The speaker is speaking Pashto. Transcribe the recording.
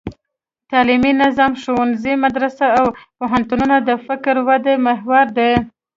تعلیمي نظام: ښوونځي، مدرسې او پوهنتونونه د فکري ودې محور دي.